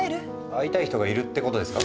会いたい人がいるってことですか？